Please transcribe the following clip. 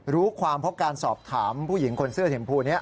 รู้ความเพราะการสอบถามผู้หญิงคนเสื้อชมพูนี้